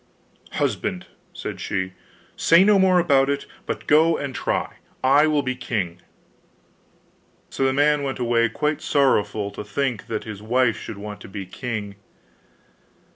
'Husband,' said she, 'say no more about it, but go and try! I will be king.' So the man went away quite sorrowful to think that his wife should want to be king.